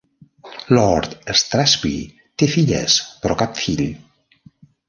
Lord Strathspey té filles, però cap fill.